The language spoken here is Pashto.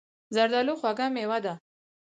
زردالو خوږه مېوه ده.